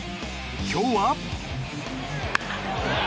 今日は。